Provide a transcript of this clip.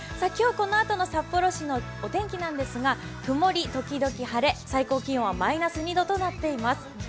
今日、このあとの札幌市のお天気なんですが曇り時々晴れ、最高気温はマイナス２度となっています。